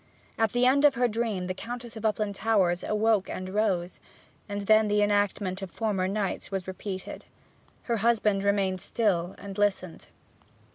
At the end of her dream the Countess of Uplandtowers awoke and arose, and then the enactment of former nights was repeated. Her husband remained still and listened.